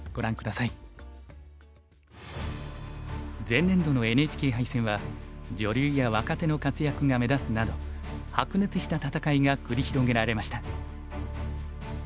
前年度のＮＨＫ杯戦は女流や若手の活躍が目立つなど白熱した戦いが繰り広げられました。